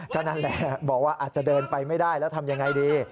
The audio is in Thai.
ก็นั่นแหละบอกว่าอาจจะเดินไปไม่ได้แล้วทำยังไงดี